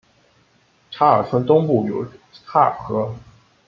查尔村东部有嚓尔河。